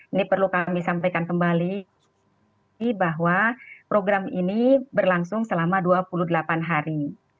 ini perlu kami sampaikan kembali bahwa program ini berlangsung selama dua puluh delapan hari